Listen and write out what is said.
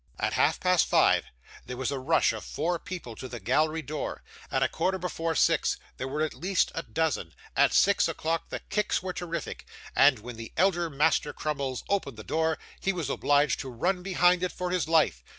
At half past five, there was a rush of four people to the gallery door; at a quarter before six, there were at least a dozen; at six o'clock the kicks were terrific; and when the elder Master Crummles opened the door, he was obliged to run behind it for his life.